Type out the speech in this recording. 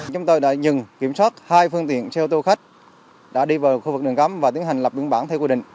chúng tôi đã dừng kiểm soát hai phương tiện xe ô tô khách đã đi vào khu vực đường gắm và tiến hành lập biên bản theo quy định